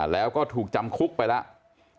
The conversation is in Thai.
แล้วก็ถูกจำคุกไปแล้ว